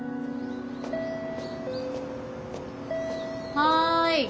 はい。